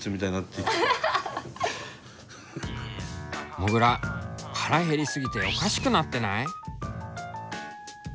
もぐら腹減りすぎておかしくなってない？